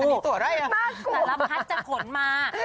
อันนี้ตัวไรอ่ะน่ากลัว